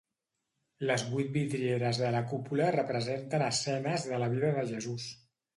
Les vuit vidrieres de la cúpula representen escenes de la vida de Jesús.